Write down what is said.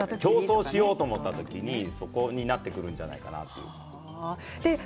競争しようと思った時に、そこになってくるんじゃないかなと。